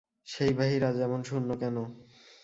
সেই বাহির আজ এমন শূন্য কেন?